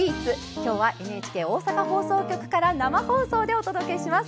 きょうはＮＨＫ大阪放送局から生放送でお届けします。